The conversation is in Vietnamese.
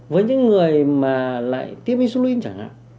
với những người mà lại tiêm insulin chẳng hạn